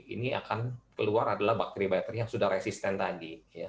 ini akan keluar adalah bakteri bakteri yang sudah resisten tadi